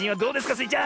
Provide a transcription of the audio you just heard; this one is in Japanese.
スイちゃん。